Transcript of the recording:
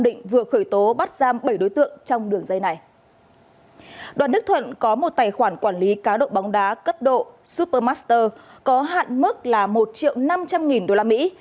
đoàn đức thuận có một tài khoản quản lý cá độ bóng đá cấp độ super master có hạn mức là một triệu năm trăm linh nghìn đô la mỹ